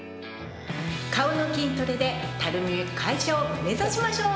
顔の筋トレでたるみ解消を目指しましょう！